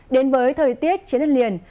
đến với thời tiết chiến đất liền